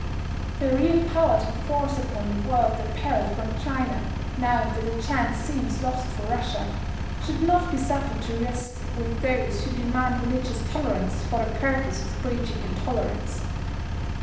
The real power to force upon the world a peril from China (now that the chance seems lost for Russia) should not be suffered to rest with those who demand religious tolerance for the purpose of preaching intolerance.